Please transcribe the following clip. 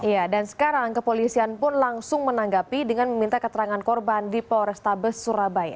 ya dan sekarang kepolisian pun langsung menanggapi dengan meminta keterangan korban di polrestabes surabaya